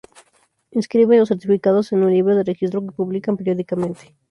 Inscriben los certificados en un libro de registro que publican periódicamente.